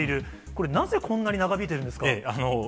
これ、なぜこんなに長引いているんですか？